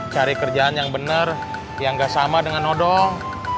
cari kerjaan yang benar yang gak sama dengan nodong